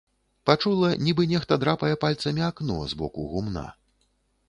Пачула нібы нехта драпае пальцамі акно з боку гумна.